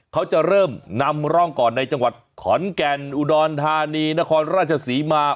เขาจะเริ่มนำร่องก่อนในจังหวัดขอนแก่นอุดรธานีนครราชศรีมา